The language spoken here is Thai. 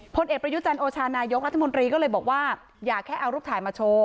พลเอกประยุจันทร์โอชานายกรัฐมนตรีก็เลยบอกว่าอย่าแค่เอารูปถ่ายมาโชว์